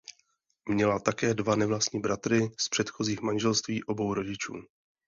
Měla také dva nevlastní bratry z předchozích manželství obou rodičů.